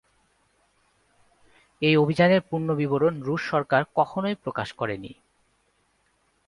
এই অভিযানের পূর্ণ বিবরণ রুশ সরকার কখনোই প্রকাশ করে নি।